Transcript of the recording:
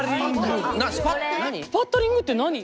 スパッタリングって何？